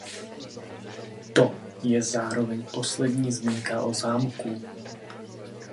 To je zároveň poslední zmínka o zámku.